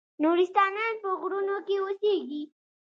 نورستانیان په غرونو کې اوسیږي؟